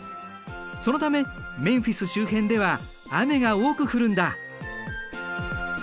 そのためメンフィス周辺では雨が多く降るんだ。